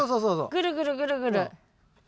ぐるぐるぐるぐる。